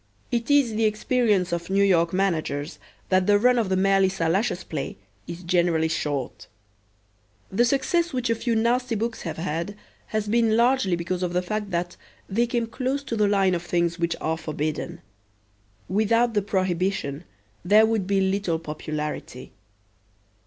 It is the experience of New York managers that the run of the merely salacious play is generally short. The success which a few nasty books have had has been largely because of the fact that they came close to the line of things which are forbidden. Without the prohibition there would be little popularity.